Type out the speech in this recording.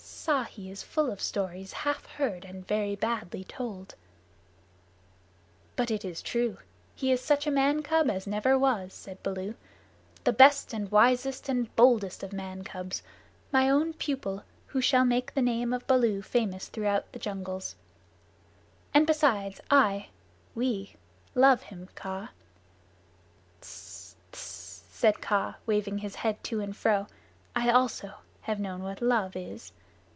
Ikki is full of stories half heard and very badly told." "But it is true. He is such a man cub as never was," said Baloo. "The best and wisest and boldest of man cubs my own pupil, who shall make the name of Baloo famous through all the jungles; and besides, I we love him, Kaa." "Ts! Ts!" said Kaa, weaving his head to and fro. "I also have known what love is.